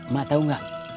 mak tau nggak